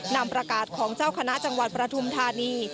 นำประกาศของเจ้าคณะจังหวัดประทุมธานี